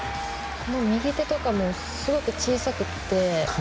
右手とかもすごく小さくて。